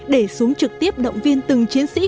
để xuống trực tiếp động viên từng chiến sĩ